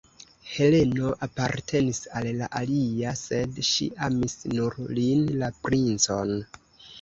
Heleno apartenis al la alia, sed ŝi amis nur lin, la princon.